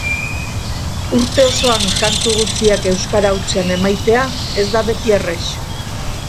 Urte osoan kantu guziak euskara hutsean emaitea ez da beti errex.